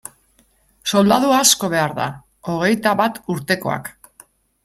Soldadu asko behar da, hogeita bat urtekoak.